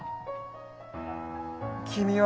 君は。